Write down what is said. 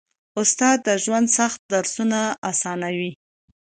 استاد د ژوند سخت درسونه اسانوي.